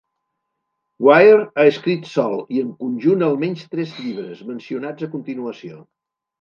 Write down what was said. Weir ha escrit sol i en conjunt almenys tres llibres, mencionats a continuació.